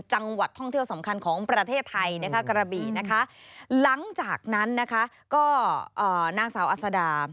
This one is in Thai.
หลังจากนั้นนะคะก็นางสาวอัศดา